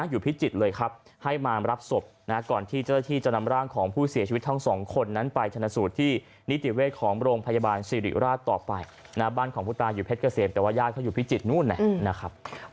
อยู่เพชรเกษมแต่ว่าย่างเขาอยู่พิจิตน์นู้นนะครับ